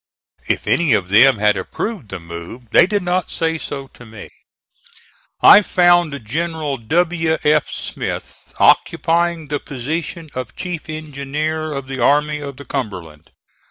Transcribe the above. If any of them had approved the move they did not say so to me. I found General W. F. Smith occupying the position of chief engineer of the Army of the Cumberland.